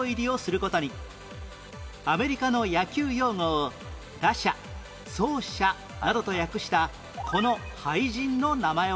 アメリカの野球用語を打者走者などと訳したこの俳人の名前は？